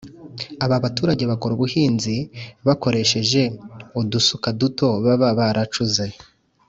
aba baturage bakora ubuhinzi bakoresheje udusuka duto baba baracuze